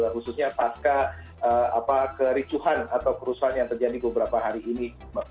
khususnya pasca kericuhan atau kerusuhan yang terjadi beberapa hari ini